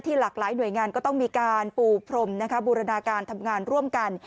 หลากหลายหน่วยงานก็ต้องมีการปูพรมบูรณาการทำงานร่วมกัน